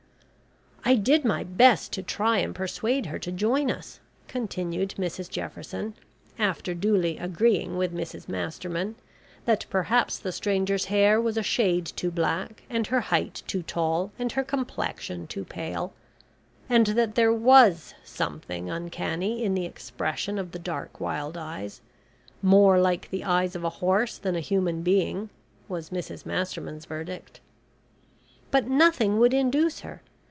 "I did my best to try and persuade her to join us," continued Mrs Jefferson, after duly agreeing with Mrs Masterman that perhaps the stranger's hair was a shade too black, and her height too tall, and her complexion too pale and that there was something uncanny in the expression of the dark wild eyes, "more like the eyes of a horse than a human being," was Mrs Masterman's verdict. "But nothing would induce her.